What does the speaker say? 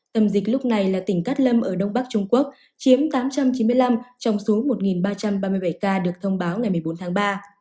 tâm dịch lúc này là tỉnh cát lâm ở đông bắc trung quốc chiếm tám trăm chín mươi năm trong số một ba trăm ba mươi bảy ca được thông báo ngày một mươi bốn tháng ba